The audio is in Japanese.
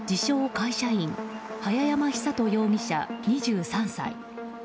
会社員早山尚人容疑者、２３歳。